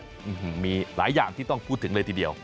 อืมมีหลายอย่างที่ต้องพูดถึงเลยทีเดียว